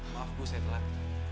maaf bu saya telat